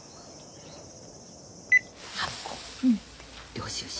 領収書。